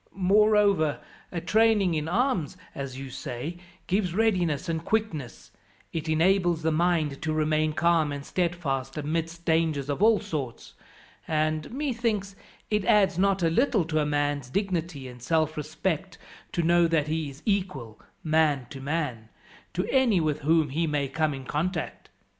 "Moreover, a training in arms, as you say, gives readiness and quickness, it enables the mind to remain calm and steadfast amidst dangers of all sorts, and, methinks, it adds not a little to a man's dignity and self respect to know that he is equal, man to man, to any with whom he may come in contact.